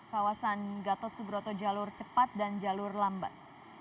kawasan gatot subroto jalur cepat dan jalur lambat